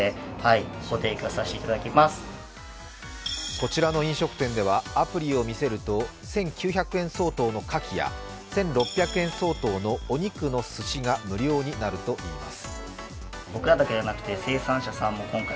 こちらの飲食店ではアプリを見せると１９００円相当のかきや、１６００円相当のお肉のすしが無料になるといいます。